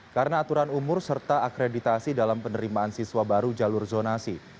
karena aturan umur serta akreditasi dalam penerimaan siswa baru jalur zonasi